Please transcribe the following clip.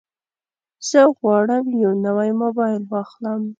زه غواړم یو نوی موبایل واخلم.